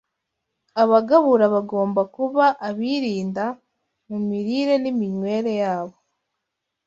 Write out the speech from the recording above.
Abagabura bagomba kuba abirinda mu mirire n’iminywere yabo